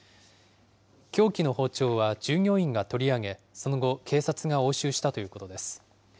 凶器の包丁は従業員が取り上げ、その後、警察が押収したということです。